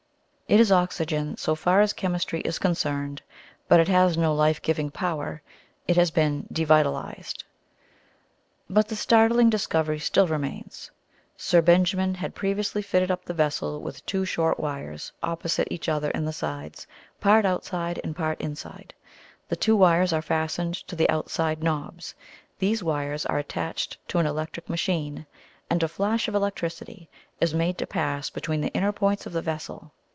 It is oxygen, so far as chemistry is concerned, but it has no life giving power. It has been devitalised. But the startling discovery still remains. Sir Benjamin had previously fitted up the vessel with two short wires, opposite each other in the sides part outside and part inside. Two wires are fastened to the outside knobs. These wires are attached to an electric machine, and a flash of electricity is made to pass between the inner points of the vessel.